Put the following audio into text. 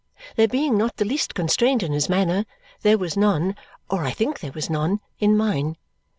There being not the least constraint in his manner, there was none (or I think there was none) in mine.